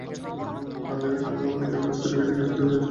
গান লেখা, গান গাওয়ায় নিজেকে ব্যস্ত রেখেছি, কিছুতেই কিছু হচ্ছিল না।